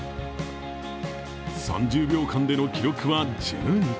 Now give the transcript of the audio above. ３０秒間での記録は１２回。